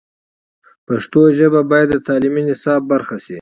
پښتو ژبه باید د تعلیمي نصاب برخه شي.